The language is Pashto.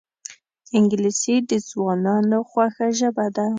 انګلیسي د ځوانانو خوښه ژبه ده